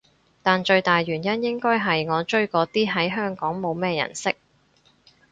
但最大原因應該係我追嗰啲喺香港冇乜人識